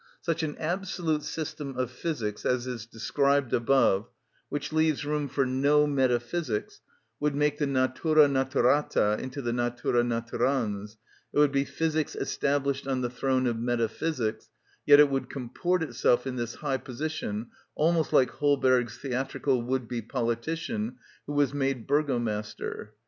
Such an absolute system of physics as is described above, which leaves room for no metaphysics, would make the Natura naturata into the Natura naturans; it would be physics established on the throne of metaphysics, yet it would comport itself in this high position almost like Holberg's theatrical would be politician who was made burgomaster.